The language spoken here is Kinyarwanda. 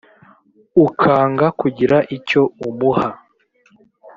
ukanga kugira icyo umuha.